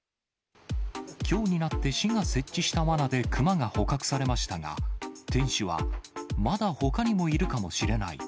きょうになって市が設置したわなで熊が捕獲されましたが、店主は、まだほかにもいるかもしれない。